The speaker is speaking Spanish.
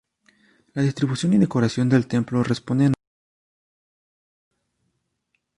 La distribución y decoración del templo responden a objetivos simbólicos.